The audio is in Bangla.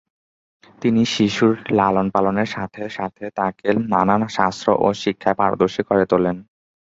তিনি শিশুর লালন পালনের সাথে সাথে তাকে নানান শাস্ত্র ও শিক্ষায় পারদর্শী করে তোলেন।